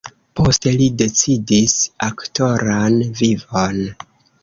Poste li decidis aktoran vivon.